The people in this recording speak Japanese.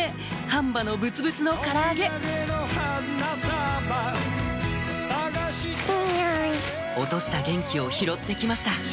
半羽のブツブツのから揚げ落とした元気を拾って来ました